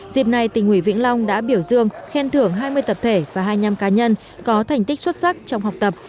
dịp này tỉnh ủy vĩnh long đã biểu dương khen thưởng hai mươi tập thể và hai mươi năm cá nhân có thành tích xuất sắc trong học tập